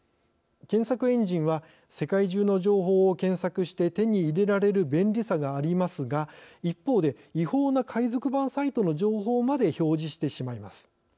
検索エンジンは世界中の情報を検索して手に入れられる便利さがありますが一方で違法な海賊版サイトの情報まで表示してしまいます。